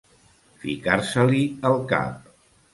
Ficar-se-li al cap.